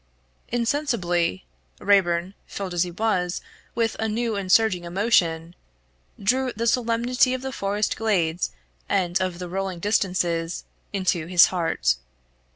Insensibly Raeburn, filled as he was with a new and surging emotion, drew the solemnity of the forest glades and of the rolling distances into his heart.